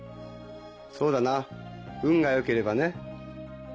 そうだな運が良ければね。